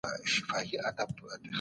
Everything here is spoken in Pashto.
زکات د غریبو ډوډۍ ده.